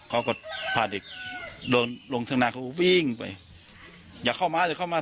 เขาก็พาเด็กเดินลงข้างในเขาก็วิ่งไปอย่าเข้ามาอย่าเข้ามา